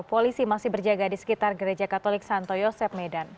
polisi masih berjaga di sekitar gereja katolik santo yosep medan